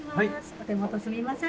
お手元すみません」